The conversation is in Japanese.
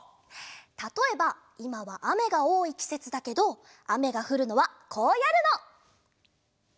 たとえばいまはあめがおおいきせつだけどあめがふるのはこうやるの。